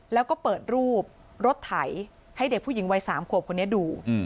แล้วก็เปิดรูปรถไถให้เด็กผู้หญิงวัย๓ขวบคนนี้ดู